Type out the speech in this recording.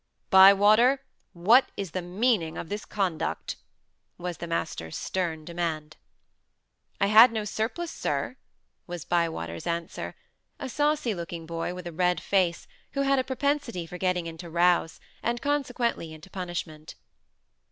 "Bywater, what is the meaning of this conduct?" was the master's stern demand. "I had no surplice, sir," was Bywater's answer a saucy looking boy with a red face, who had a propensity for getting into "rows," and, consequently, into punishment.